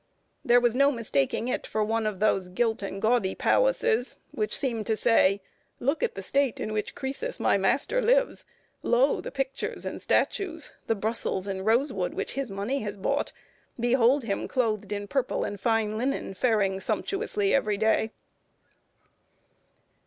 There was no mistaking it for one of those gilt and gaudy palaces which seem to say: "Look at the state in which Cr[oe]sus, my master, lives. Lo, the pictures and statues, the Brussels and rosewood which his money has bought! Behold him clothed in purple and fine linen, faring sumptuously every day!"